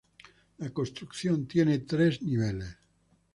La construcción tiene tres niveles.